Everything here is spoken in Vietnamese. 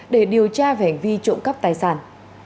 để điều tra về hành vi trộm cắp tài sản